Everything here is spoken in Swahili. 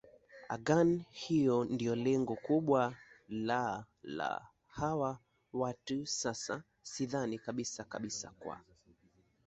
agan hiyo ndio lengo kubwa la la hawa watu sasa sidhani kabisa kabisa kwa